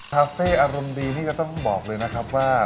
คาเฟ่อารมณ์ดีนี่ก็ต้องบอกเลยนะครับว่า